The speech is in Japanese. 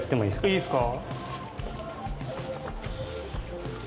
いいすか？